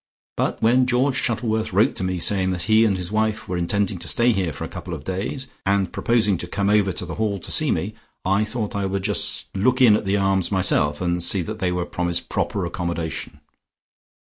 But when George Shuttleworth wrote to me saying that he and his wife were intending to stay here for a couple of days, and proposing to come over to The Hall to see me, I thought I would just look in at the Arms myself, and see that they were promised proper accommodation.